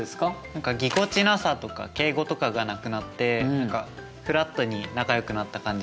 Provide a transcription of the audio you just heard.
何かぎこちなさとか敬語とかがなくなって何かフラットに仲よくなった感じがします。